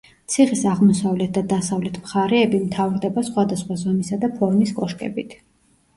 ციხის აღმოსავლეთ და დასავლეთ მხარეები მთავრდება სხვადასხვა ზომისა და ფორმის კოშკებით.